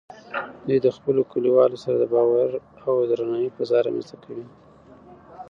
دوی د خپلو کلیوالو سره د باور او درناوي فضا رامینځته کوي.